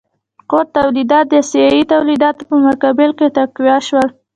کور تولیدات د اسیايي تولیداتو په مقابل کې تقویه شول.